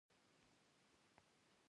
د نجونو تعلیم د ازادۍ ارزښت ښيي.